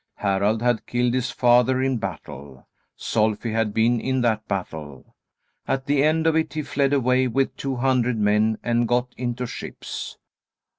Harald had killed his father in battle. Solfi had been in that battle. At the end of it he fled away with two hundred men and got into ships.